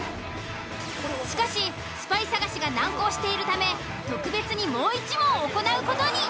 しかしスパイ探しが難航しているため特別にもう１問行う事に。